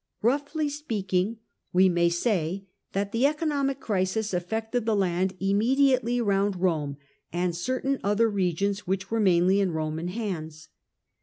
Roughly speaking, we may say that the economic crisis affected the land immediately round Rome, and certain other regions which were mainly in Roman hands.